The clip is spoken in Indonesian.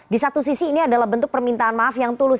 di satu sisi ini adalah bentuk permintaan maaf yang tulus